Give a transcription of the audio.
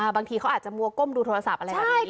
บางทีเขาอาจจะมัวก้มดูโทรศัพท์อะไรแบบนี้